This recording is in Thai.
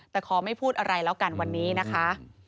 แต่ขอไม่พูดอะไรแล้วกันวันนี้นะคะ